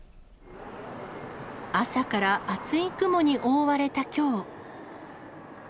朝から厚い雲に覆われたきょう。